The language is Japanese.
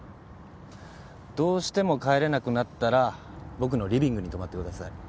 どうしても帰れなくなったら僕のリビングに泊まってください。